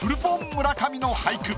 村上の俳句